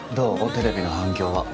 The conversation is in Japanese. テレビの反響は。